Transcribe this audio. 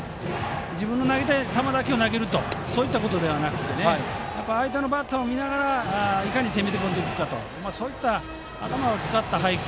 自分の投げたい球だけを投げるということではなくて相手のバッターを見ながらいかに攻めていくかそういった頭を使った配球